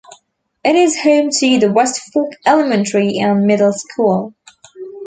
It is home to the West Fork elementary and middle school.